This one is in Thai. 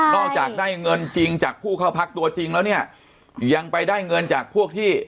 จากได้เงินจริงจากผู้เข้าพักตัวจริงแล้วเนี่ยยังไปได้เงินจากพวกที่